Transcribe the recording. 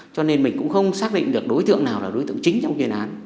cho nên mình cũng không xác định được đối tượng nào là đối tượng chính trong chuyên án